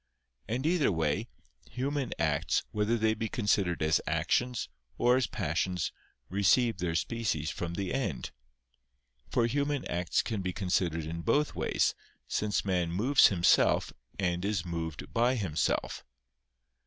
And either way, human acts, whether they be considered as actions, or as passions, receive their species from the end. For human acts can be considered in both ways, since man moves himself, and is moved by himself.